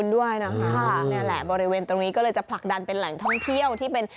ด้วยนะคะนี่แหละบริเวณตรงนี้ก็เลยจะผลักดันเป็นแหล่งท่องเที่ยวที่เป็น